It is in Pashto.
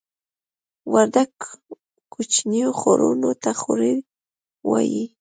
وردګ کوچنیو خوړونو ته خوړۍ وایې